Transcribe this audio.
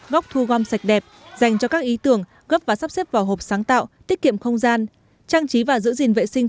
góc thu gom sạch đẹp dành cho các ý tưởng gấp và sắp xếp vào hộp sáng tạo tiết kiệm không gian trang trí và giữ gìn vệ sinh